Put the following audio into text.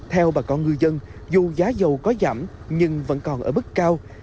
theo bà con người dân dù giá dầu có giảm nhưng vẫn còn ở bức cao